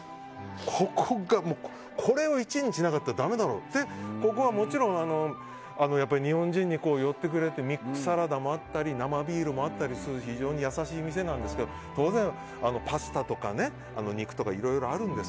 ここを１位にしなかったらだめだろうってここはもちろん日本人に寄ってくれてサラダもあったり生ビールもあったりして非常に優しい店なんですが当然パスタとか肉とかいろいろあるんです。